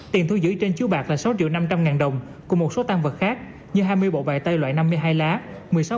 tiền thu giữ trên chiếu bạc là sáu triệu năm trăm linh ngàn đồng cùng một số tăng vật khác như hai mươi bộ bài tay loại năm mươi hai lá